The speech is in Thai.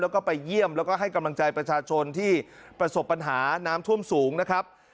แล้วก็ไปเยี่ยมแล้วก็ให้กำลังใจประชาชนที่ประสบปัญหาน้ำท่วมสูงนะครับ